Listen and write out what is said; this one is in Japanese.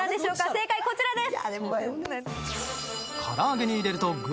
正解こちらです！